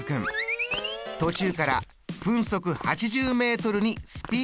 途中から分速８０ｍにスピードアップ！